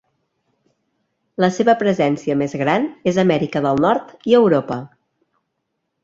La seva presència més gran és a Amèrica del Nord i Europa.